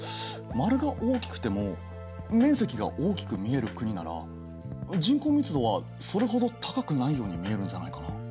丸が大きくても面積が大きく見える国なら人口密度はそれほど高くないように見えるんじゃないかな？